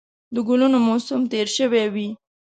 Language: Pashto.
د ګلونو موسم تېر شوی وي